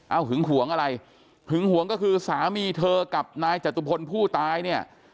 เอาหึงหวงอะไรหึงหวงก็คือสามีเธอกับนายจตุพลผู้ตายเนี่ย